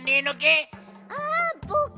あぼく